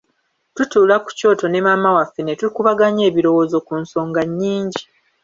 Tutuula ku kyoto ne maama waffe ne tukubaganya ebirowoozo ku nsonga nnyingi.